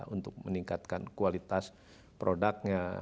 untuk meningkatkan kualitas produknya